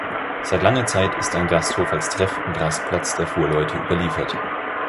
Seit langer Zeit ist ein Gasthof als Treff- und Rastplatz der Fuhrleute überliefert.